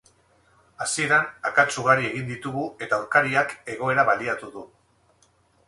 Hasieran akats ugari egin ditugu eta aurkariak egoera baliatu du.